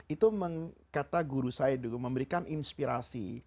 itu kata guru saya dulu memberikan inspirasi